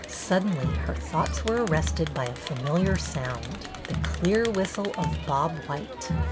Suddenly her thoughts were arrested by a familiar sound, — the clear whistle of Bob white.